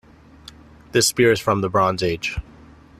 This spear is from the bronze age.